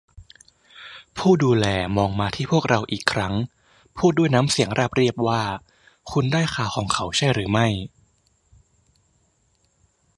ผู้ดูแลมองมาที่พวกเราอีกครั้ง พูดด้วยน้ำเสียงราบเรียบว่า คุณได้ข่าวของเขาใช่หรือไม่